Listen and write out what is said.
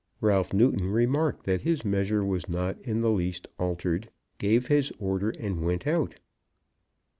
Ralph Newton remarked that his measure was not in the least altered, gave his order, and went out.